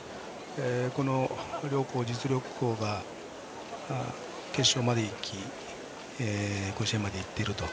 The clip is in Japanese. この両校、実力校が決勝まで行き甲子園まで行っていると。